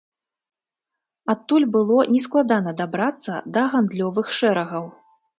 Адтуль было нескладана дабрацца да гандлёвых шэрагаў.